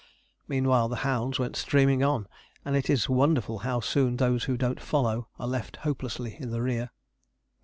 Meanwhile the hounds went streaming on; and it is wonderful how soon those who don't follow are left hopelessly in the rear.